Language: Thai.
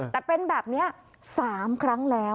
แต่เป็นแบบนี้๓ครั้งแล้ว